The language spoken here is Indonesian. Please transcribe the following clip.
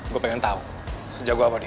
gua pengen tau sejago apa dia